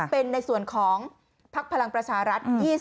เป็นในส่วนของพักพลังประชารัฐ๒๑คน